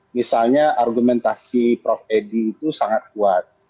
misalnya argumentasi prof edi itu sangat kuat